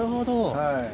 はい。